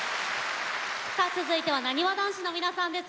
続いてはなにわ男子の皆さんです。